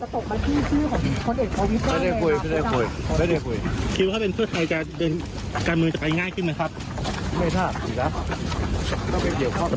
ก็คือว่าเขาเป็นพี่ชายการมือกันยังไหงิ่งไปเลยครับ